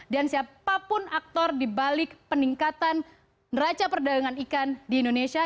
dan siapapun aktor di balik peningkatan neraca perdagangan ikan di indonesia